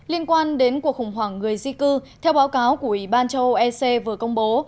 liên quan đến cuộc khủng hoảng người di cư theo báo cáo của ủy ban châu âu ec vừa công bố